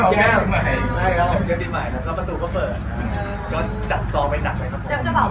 สี่ชุ่มแล้วค่อยกลับไปทำเลฟชิวไหมอ่ะชิวมากชิวมาก